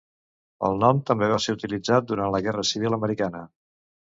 El nom també va ser utilitzat durant la Guerra Civil americana.